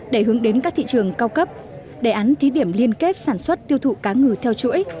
để hướng đến các thị trường cao cấp đề án thí điểm liên kết sản xuất tiêu thụ cá ngừ theo chuỗi